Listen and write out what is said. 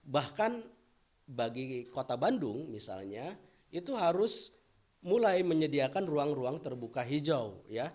bahkan bagi kota bandung misalnya itu harus mulai menyediakan ruang ruang terbuka hijau